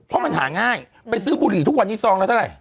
เพราะมันหาง่ายไปซื้อบุหรี่ทุกวันนี้ซองละเท่าไหร่